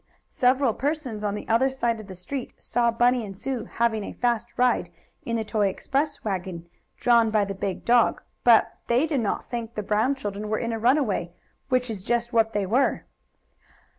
Several persons on the other side of the street saw Bunny and Sue having a fast ride in the toy express wagon, drawn by the big dog, but they did not think the Brown children were in a runaway, which is just what they were.